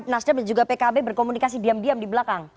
nasdem dan juga pkb berkomunikasi diam diam di belakang